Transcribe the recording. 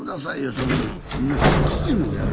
そんなん。